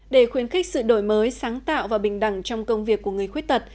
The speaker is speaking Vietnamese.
để khuyến khích sự đổi mới sáng tạo và bình đẳng trong công việc của người khuyết tật